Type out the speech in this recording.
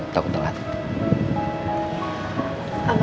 takut terlalu hati